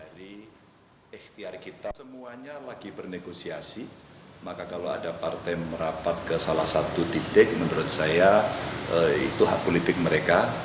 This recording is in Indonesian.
dari ikhtiar kita semuanya lagi bernegosiasi maka kalau ada partai merapat ke salah satu titik menurut saya itu hak politik mereka